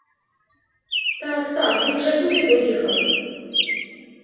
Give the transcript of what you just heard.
Так, так, він же куди поїхав?